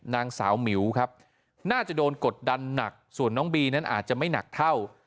นางสาวหมิวครับน่าจะโดนกดดันหนักส่วนน้องบีนั้นอาจจะไม่หนักเท่า